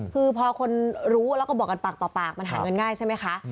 คือพอคนรู้แล้วก็บอกกันปากต่อปากมันหาเงินง่ายใช่ไหมคะ